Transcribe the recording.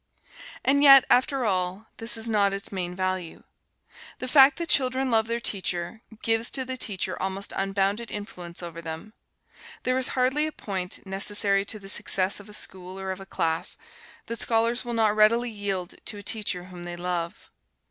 And yet, after all, this is not its main value. The fact that children love their teacher, gives to the teacher almost unbounded influence over them. There is hardly a point, necessary to the success of a school or of a class, that scholars will not readily yield to a teacher whom they love.